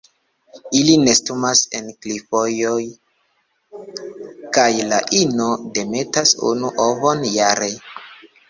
Ili nestumas en klifoj kaj la ino demetas unu ovon jare.